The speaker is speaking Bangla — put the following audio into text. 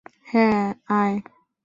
হ্যাঁঁ, আয়।